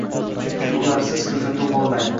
chunki ularsiz ko‘rsatuv bo‘lmaydi.